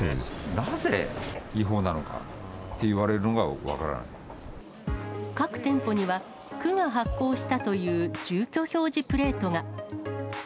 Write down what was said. なぜ違法なのかって言われる各店舗には、区が発行したという住居表示プレートが。